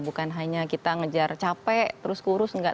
bukan hanya kita ngejar capek terus kurus